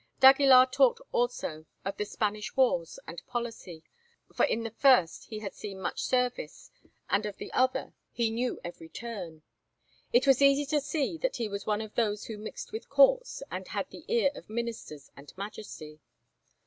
d'Aguilar talked also, of the Spanish wars and policy, for in the first he had seen much service, and of the other he knew every turn. It was easy to see that he was one of those who mixed with courts, and had the ear of ministers and majesty.